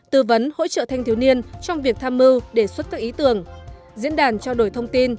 tư vấn hỗ trợ thanh thiếu niên trong việc tham mưu đề xuất các ý tưởng diễn đàn trao đổi thông tin